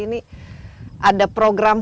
ini ada program